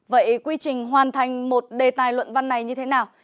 vậy quy trình hoàn thành một đề tài luận văn này như thế nào